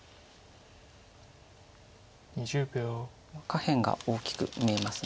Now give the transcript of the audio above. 下辺が大きく見えます。